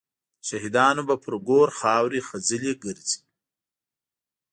د شهیدانو به پر ګور خاوري خزلي ګرځي